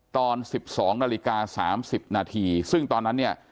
ตอน๑๒นาฬิกา๓๐นาทีซึ่งตอนนั้นเนี่ย